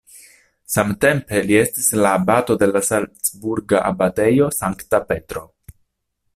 Samtempe li estis la abato de la salcburga abatejo Sankta Petro.